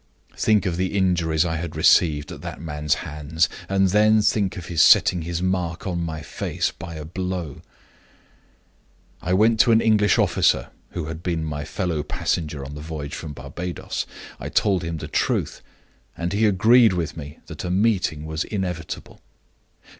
"Think of the injuries I had received at that man's hands, and then think of his setting his mark on my face by a blow! "I went to an English officer who had been my fellow passenger on the voyage from Barbadoes. I told him the truth, and he agreed with me that a meeting was inevitable.